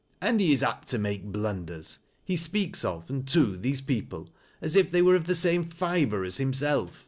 " And he is apt to make blun ders. He speaks of, and to, these people as if they were of the same fiber as himself.